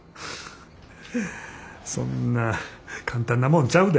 そんな簡単なもんちゃうで。